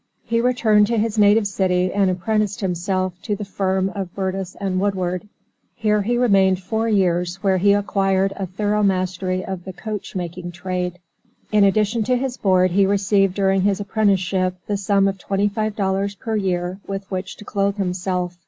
He returned to his native city and apprenticed himself to the firm of Burtis & Woodward. Here he remained four years where he acquired a thorough mastery of the coach making trade. In addition to his board he received during his apprenticeship the sum of twenty five dollars per year with which to clothe himself.